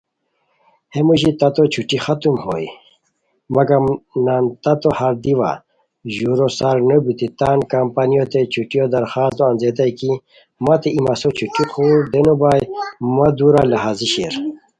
ہے موژی تتو چھٹی ختم ہوئے، مگم نان تتو ہردی وا، ژورو سار نوبیتی تان کمپنیوتین چھٹیو درخواست انځئیتائے کی مت ای مسو چھٹی خور دیونوبائے، مہ دُورا لہازی شیر